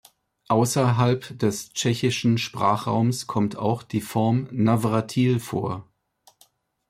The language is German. Außerhalb des tschechischen Sprachraums kommt auch die Form Navratil vor.